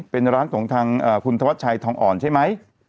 เป็นร้านของทางคุณธวัชชัยทองอ่อนใช่ไหม